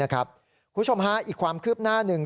นะครับคุณชมฮะอีกความคืบหน้าหนึ่ง